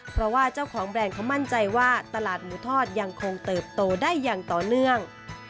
เพราะว่าเจ้าของแบรนด์เขามั่นใจว่าตลาดหมูทอดยังคงเติบโตได้อย่างต่อเนื่อง